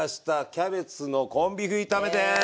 キャベツのコンビーフ炒めです。